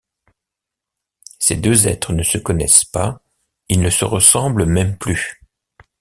Ces deux êtres ne se connaissent pas, ils ne se ressemblent même plus!